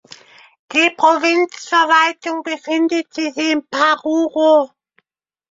Die Provinzverwaltung befindet sich in Paruro.